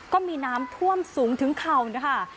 ก็มีน้ำท่วมสูงถึงเข่านะคะ